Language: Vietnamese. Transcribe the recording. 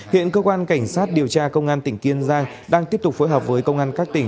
hiện cơ quan cảnh sát điều tra công an tỉnh kiên giang đang tiếp tục phối hợp với công an các tỉnh